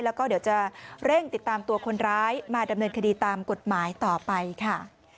แล้วก็เดี๋ยวจะเร่งติดตามตัวคนร้ายมาดำเนินคดีตามกฎหมายต่อไปค่ะ